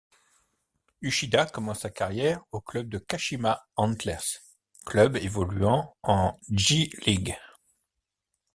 Uchida commence sa carrière au club de Kashima Antlers, club évoluant en J-League.